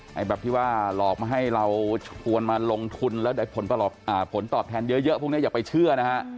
ให้แบบที่ว่าหลอกมาให้เราชวนมาลงทุนแล้วได้ผลตอบแทนเยอะพวกนี้อย่าไปเชื่อนะฮะ